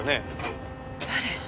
誰？